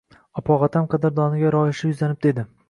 Opog‘otam qadrdoniga royishli yuzlanib dedi: